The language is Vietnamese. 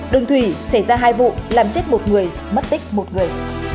đường thủy xảy ra hai vụ làm chết một người mất tích một người